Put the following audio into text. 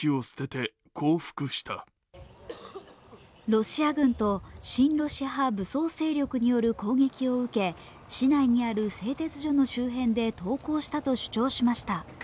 ロシア軍と親ロシア派武装による攻撃を受け、市内にある製鉄所の周辺で投降したと主張しました。